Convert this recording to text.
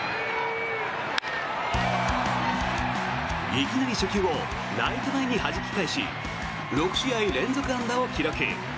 いきなり初球をライト前にはじき返し６試合連続安打を記録。